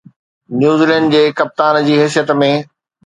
New Zealand جي ڪپتان جي حيثيت ۾